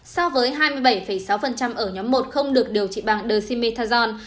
so với hai mươi bảy sáu ở nhóm một không được điều trị bằng dexamethasone